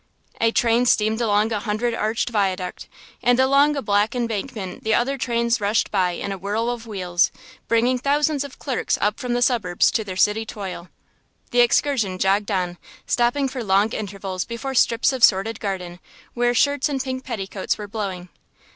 A train steamed along a hundred arched viaduct; and along a black embankment the other trains rushed by in a whirl of wheels, bringing thousands of clerks up from the suburbs to their city toil. The excursion jogged on, stopping for long intervals before strips of sordid garden where shirts and pink petticoats were blowing.